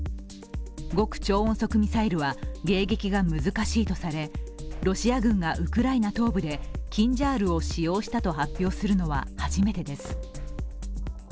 極超音速ミサイルは迎撃が難しいとされロシア軍がウクライナ東部でキンジャールを使用したと発表するのは初めてです。